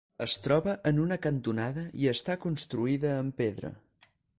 Es troba en una cantonada i està construïda amb pedra.